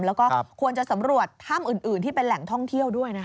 แล้วก็ควรจะสำรวจถ้ำอื่นที่เป็นแหล่งท่องเที่ยวด้วยนะคะ